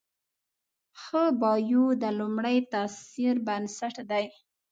ښه بایو د لومړي تاثر بنسټ دی.